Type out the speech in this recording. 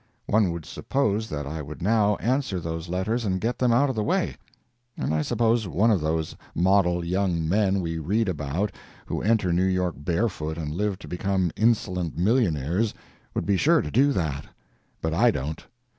One would suppose that I would now answer those letters and get them out of the way; and I suppose one of those model young men we read about, who enter New York barefoot and live to become insolent millionaires, would be sure to do that; but I don't.